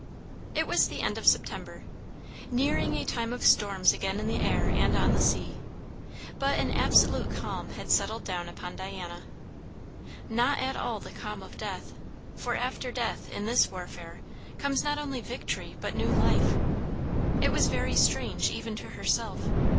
It was the end of September. Nearing a time of storms again in the air and on the sea; but an absolute calm had settled down upon Diana. Not at all the calm of death; for after death, in this warfare, comes not only victory, but new life. It was very strange, even to herself.